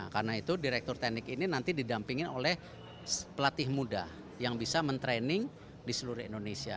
karena itu direktur teknik ini nanti didampingin oleh pelatih muda yang bisa mentraining di seluruh indonesia